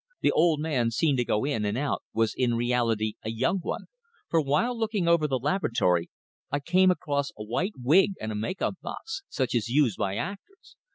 The old man seen to go in and out was in reality a young one, for while looking over the laboratory I came across a white wig and a make up box, such as is used by actors.